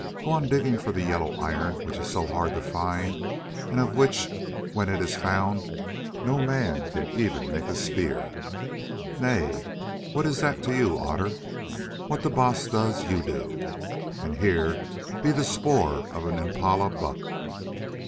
Go on digging for the yellow iron which is so hard to find, and of which, when it is found, no man can even make a spear? Nay, what is that to you, Otter? What the Baas does you do—and here be the spoor of an impala buck."